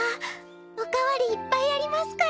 おかわりいっぱいありますから。